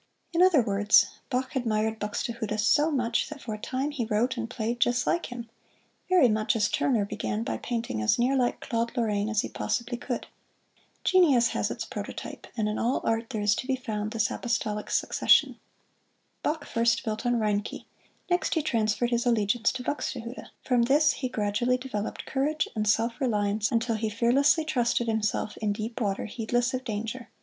In other words, Bach admired Buxtehude so much that for a time he wrote and played just like him, very much as Turner began by painting as near like Claude Lorraine as he possibly could. Genius has its prototype, and in all art there is to be found this apostolic succession. Bach first built on Reinke; next he transferred his allegiance to Buxtehude; from this he gradually developed courage and self reliance until he fearlessly trusted himself in deep water, heedless of danger.